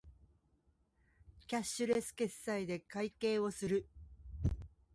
キャッシュレス決済で会計をする